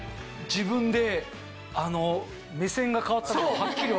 自分で目線が変わったのがはっきり分かる。